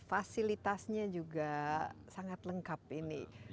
fasilitasnya juga sangat lengkap ini